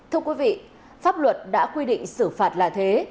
thưa quý vị pháp luật đã quy định xử phạt là thế